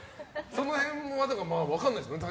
その辺分からないですもんね